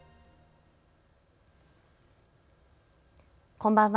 こんばんは。